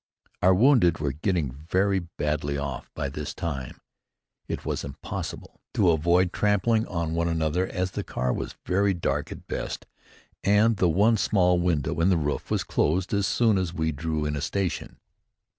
Our wounded were getting very badly off by this time. It was impossible to avoid trampling on one another as the car was very dark at best and the one small window in the roof was closed as soon as we drew into a station.